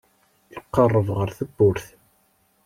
Iqerreb ɣer tewwurt.